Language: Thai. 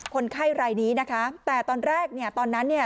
คนไข้รายนี้นะคะแต่ตอนแรกเนี่ยตอนนั้นเนี่ย